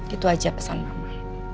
itu aja pesan mama